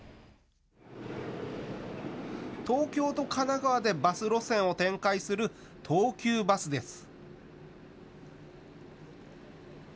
東京と神奈川でバス路線を展開する東急バスです。